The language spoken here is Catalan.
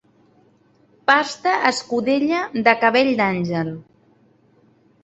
Pasta, escudella, de cabell d'àngel.